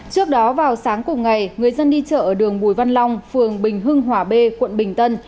trước đó vào sáng cùng ngày người dân đi chợ ở đường bùi văn long phường bình hưng hòa b quận bình tân